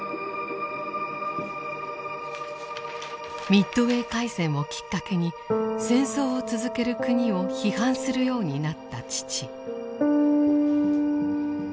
ミッドウェー海戦をきっかけに戦争を続ける国を批判するようになった父。